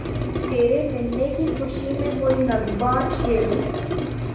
تیرے ملنے کی خوشی میں کوئی نغمہ چھیڑوں